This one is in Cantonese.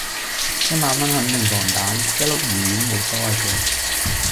一萬蚊肯定防彈，一粒魚丸無所謂嘅